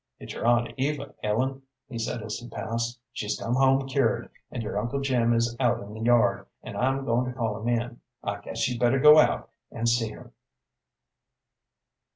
"It's your aunt Eva, Ellen," he said as he passed. "She's come home cured, and your uncle Jim is out in the yard, and I'm goin' to call him in. I guess you'd better go out and see her."